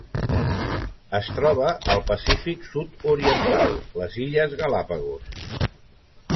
Es troba al Pacífic sud-oriental: les illes Galápagos.